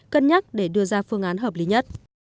cân nhắc để đưa ra phương án hợp lý nhất